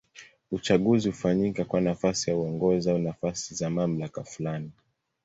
Uchaguzi hufanyika kwa nafasi za uongozi au nafasi za mamlaka fulani.